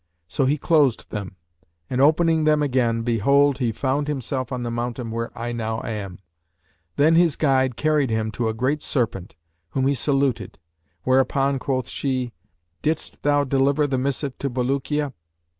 So he closed them and opening them again, behold, he found himself on the mountain where I now am. Then his guide carried him to a great serpent, whom he saluted; whereupon quoth she, 'Didst thou deliver the missive to Bulukiya?'